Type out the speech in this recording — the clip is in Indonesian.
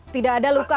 tidak ada luka